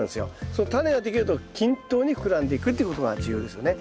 そのタネができると均等に膨らんでいくっていうことが重要ですよね。